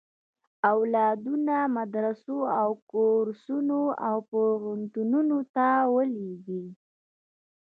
اولادونه مدرسو، کورسونو او پوهنتونونو ته ولېږي.